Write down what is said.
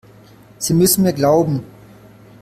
Sie müssen mir glauben!